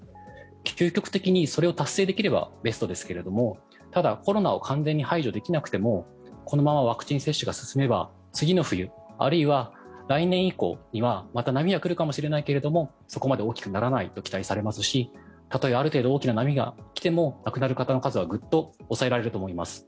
究極的にそれを達成できればベストですがただ、コロナを完全に排除できなくてもこのままワクチン接種が進めば次の冬あるいは来年以降にはまた波が来るかもしれないけれどそこまで大きくなれないと期待されますしたとえある程度大きな波が来ても亡くなる方の数はグッと抑えられると思います。